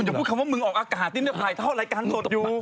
อย่าพูดคำว่ามึงออกอากาศดิ้นจะถ่ายเท่ารายการสดอยู่